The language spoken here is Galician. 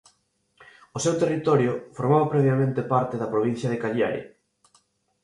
O seu territorio formaba previamente parte da provincia de Cagliari.